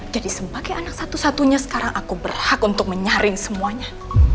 jadi sebagai anak satu satunya sekarang aku berhak untuk menyaring semuanya